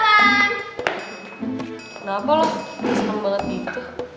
kenapa lah seneng banget gitu